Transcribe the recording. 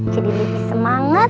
jadi lebih semangat